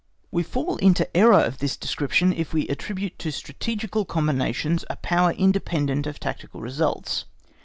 We fall into an error of this description if we attribute to strategical combinations a power independent of tactical results.